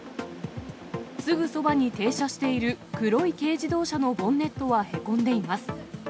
すぐそばに停車している黒い軽自動車のボンネットはへこんでいます。